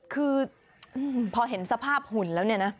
คือพอเห็นสภาพหุ่นแล้ว